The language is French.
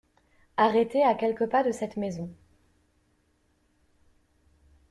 Arrêtée à quelques pas de cette maison.